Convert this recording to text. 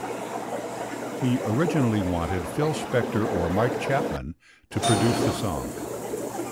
He originally wanted Phil Spector or Mike Chapman to produce the song.